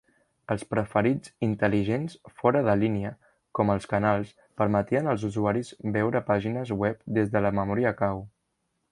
Els preferits intel·ligents fora de línia, com els canals, permetien als usuaris veure pàgines web des de la memòria cau.